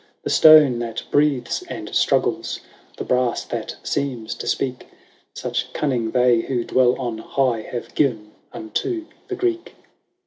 The stone that breathes and struggles. The brass that seems to speak ;— Such cunning they who dwell on high Have given unto the Greek.